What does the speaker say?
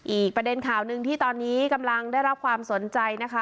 อีกประเด็นข่าวหนึ่งที่ตอนนี้กำลังได้รับความสนใจนะคะ